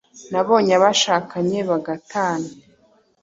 Nabonye abashakanye bagatana